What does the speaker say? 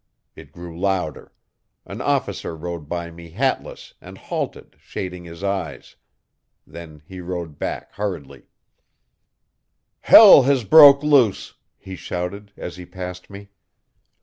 It grew louder. An officer rode by me hatless, and halted, shading his eyes. Then he rode back hurriedly. 'Hell has broke loose!' he shouted, as he passed me.